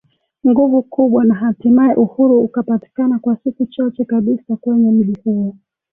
nguvu kubwa na hatimaye Uhuru ukapatikana kwa siku chache kabisa Kwenye mji huo